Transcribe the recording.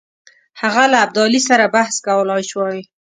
هغه له ابدالي سره بحث کولای سوای.